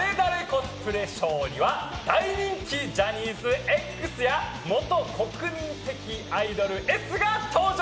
コスプレショーには、大人気ジャニーズＸや、元国民的アイドルＳが登場。